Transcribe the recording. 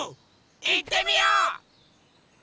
いってみよう！